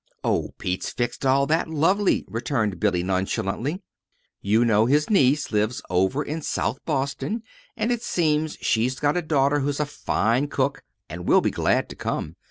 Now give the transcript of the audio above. "Oh, Pete's fixed all that lovely," returned Billy, nonchalantly. "You know his niece lives over in South Boston, and it seems she's got a daughter who's a fine cook and will be glad to come.